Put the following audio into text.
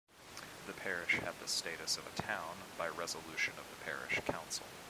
The parish had the status of a town, by resolution of the parish council.